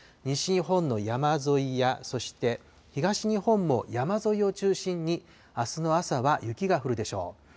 西日本の山沿いや、そして東日本も山沿いを中心に、あすの朝は雪が降るでしょう。